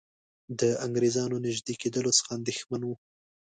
د انګریزانو نیژدې کېدلو څخه اندېښمن وو.